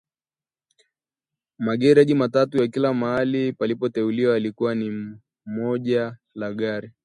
Magereji matatu ya kila mahali palipoteuliwa yalikuwa ni moja la magari